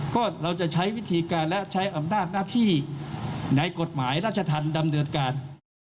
ก็เราจะใช้วิธีการและใช้อำนาจหน้าที่ในกฎหมายราชธรรมดำเนินการ